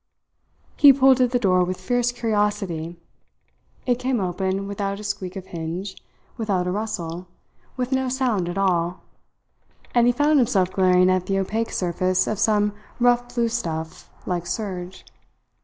He pulled at the door with fierce curiosity. It came open without a squeak of hinge, without a rustle, with no sound at all; and he found himself glaring at the opaque surface of some rough blue stuff, like serge.